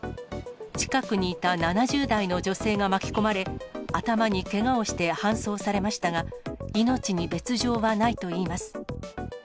近くにいた７０代の女性が巻き込まれ、頭にけがをして搬送されましたが、命に別状はないといいます。